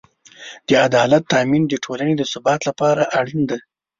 د عدالت تأمین د ټولنې د ثبات لپاره اړین دی.